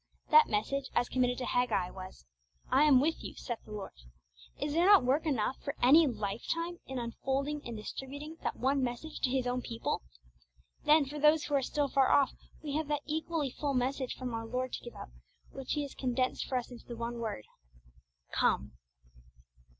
That message, as committed to Haggai, was, 'I am with you, saith the Lord.' Is there not work enough for any lifetime in unfolding and distributing that one message to His own people? Then, for those who are still far off, we have that equally full message from our Lord to give out, which He has condensed for us into the one word, 'Come!'